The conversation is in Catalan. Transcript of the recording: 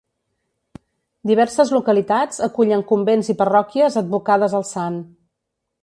Diverses localitats acullen convents i parròquies advocades al sant.